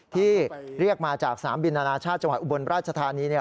ที่เรียกมาจากสนามบินอนาชาติจังหวัดอุบลราชธานี